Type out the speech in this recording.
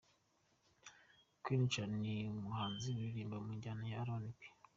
Queen Cha: ni umuhanzi uririmba mu njyana ya RnB.